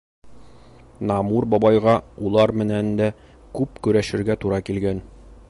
Намур бабайға улар менән дә күп көрәшергә тура килгән.